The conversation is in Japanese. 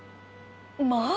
まあ！？